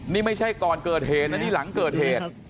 นี่ไม่ใช่ก่อนเกิดเหตุนะนี่หลังเกิดเหตุ